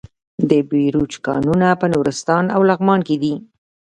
د بیروج کانونه په نورستان او لغمان کې دي.